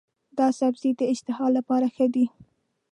دا سبزی د اشتها لپاره ښه دی.